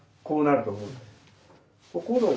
こうなると思う。